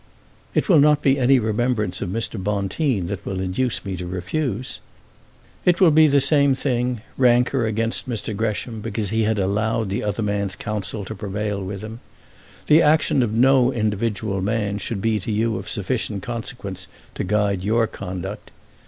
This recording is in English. "It will not be any remembrance of Mr. Bonteen that will induce me to refuse." "It will be the same thing; rancour against Mr. Gresham because he had allowed the other man's counsel to prevail with him. The action of no individual man should be to you of sufficient consequence to guide your conduct.